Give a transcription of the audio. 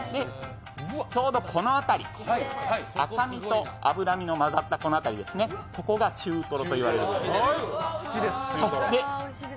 ちょうどこの辺り、赤身と脂身が混ざったこの辺りですね、ここが中トロと言われるところです。